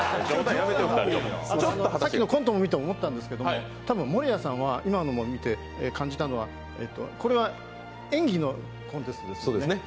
さっきのコント見て思ったんですけど今のも見て感じたのはこれは演技のコンテストですよね。